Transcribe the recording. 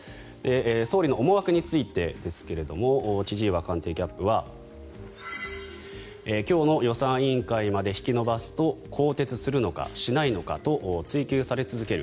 総理の思惑についてですけれど千々岩官邸キャップは今日の予算委員会まで引き延ばすと更迭するのか、しないのかと追及され続ける。